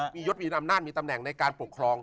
มียศมีอำนาจมีตำแหน่งในการปกครอง